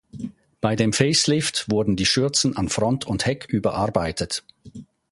Bei dem Facelift wurden die Schürzen an Front und Heck überarbeitet.